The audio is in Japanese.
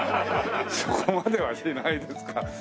そこまではしないですか？